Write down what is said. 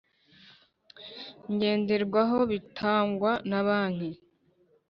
ngenderwaho bitangwa na Banki